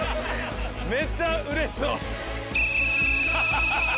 めっちゃうれしそうハハハ